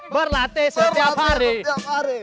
berlatih setiap hari